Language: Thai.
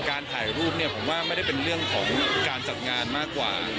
การถ่ายรูปเนี่ยผมว่าไม่ได้เป็นเรื่องของการจัดงานมากกว่า